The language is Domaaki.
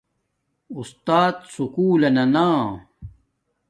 اُستات سکُول لنا نا